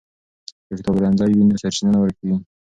که کتابپلورنځی وي نو سرچینه نه ورکېږي.